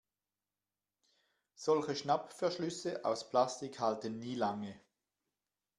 Solche Schnappverschlüsse aus Plastik halten nie lange.